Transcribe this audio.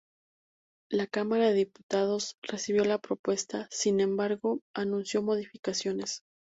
La Cámara de Diputados recibió la propuesta, sin embargo, anunció modificaciones.